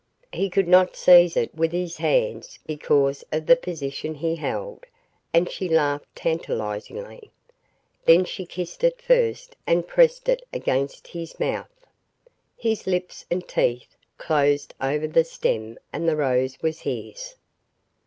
He could not seize it with his hands because of the position he held, and she laughed tantalizingly. Then she kissed it first and pressed it against his mouth. His lips and teeth closed over the stem and the rose was his.